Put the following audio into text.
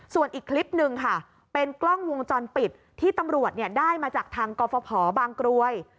ส่วนอีกคลิปหนึ่งค่ะเป็นกล้องวงจรปิดที่ตำรวจได้มาจากทางกรฟภบางกรวย